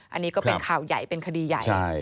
อันนี้ก็เป็นข่าวใหญ่เป็นคดีใหญ่